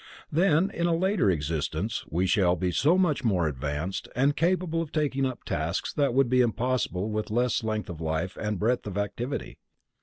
Then, in a later existence, we shall be so much more advanced, and capable of taking up tasks that would be impossible with less length of life and breadth of activity.